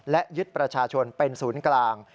และยึดประชาชนเป็นศูนย์กลาง